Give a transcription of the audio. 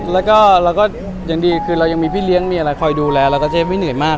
แล้วก็เราก็อย่างดีคือเรายังมีพี่เลี้ยงมีอะไรคอยดูแลเราก็จะไม่เหนื่อยมาก